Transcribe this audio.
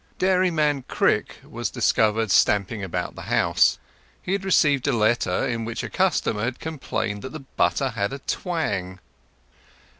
Dairyman Crick was discovered stamping about the house. He had received a letter, in which a customer had complained that the butter had a twang.